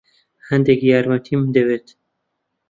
هەندێک یارمەتیم دەوێت.